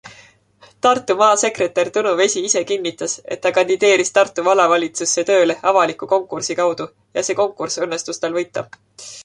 Tartu maasekretär Tõnu Vesi ise kinnitas, et ta kandideeris Tartu vallavalitsusse tööle avaliku konkursi kaudu ja see konkurss õnnestus tal võita.